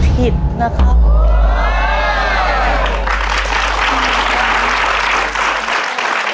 ผิดนะคะนะครับ